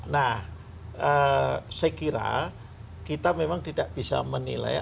nah saya kira kita memang tidak bisa menilai